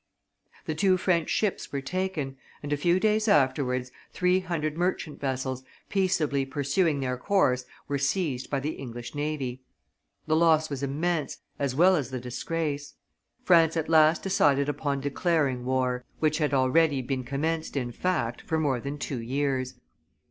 The two French ships were taken; and a few days afterwards, three hundred merchant vessels, peaceably pursuing their course, were seized by the English navy. The loss was immense, as well as the disgrace. France at last decided upon declaring war, which had already been commenced in fact for more than two years.